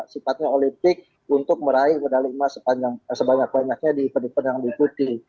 sifatnya olimpik untuk meraih medali emas sebanyak banyaknya di penipuan yang diikuti